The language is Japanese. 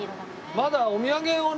まだお土産をね